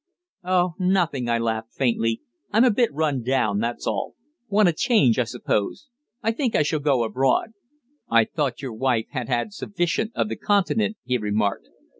"Oh, nothing," I laughed faintly. "I'm a bit run down, that's all. Want a change, I suppose. I think I shall go abroad." "I thought your wife had had sufficient of the Continent," he remarked.